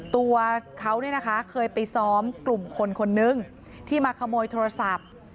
ตัวเขาเนี่ยนะคะเคยไปซ้อมกลุ่มคนคนนึงที่มาขโมยโทรศัพท์